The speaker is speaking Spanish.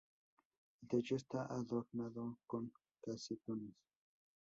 El techo está adornado con casetones.